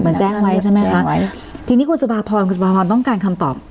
เหมือนแจ้งไว้ใช่ไหมคะแจ้งไว้ทีนี้คุณสุภาพรคุณสุภาพรต้องการคำตอบ